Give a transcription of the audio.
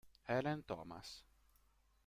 Helen Thomas